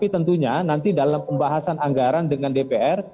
tentunya nanti dalam pembahasan anggaran dengan dpr